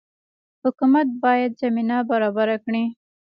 حکومت باید زمینه برابره کړي